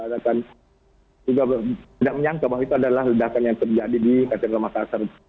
juga tidak menyangka bahwa itu adalah ledakan yang terjadi di katedral makassar